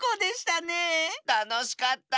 たのしかった。